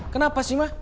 kenapa sih ma